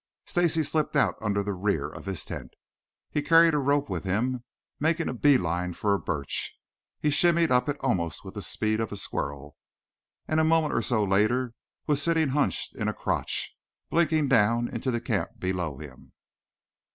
Stacy slipped out under the rear of his tent. He carried a rope with him. Making a bee line for a birch, he shinned up it almost with the speed of a squirrel, and a moment or so later was sitting hunched in a crotch, blinking down into the camp below him.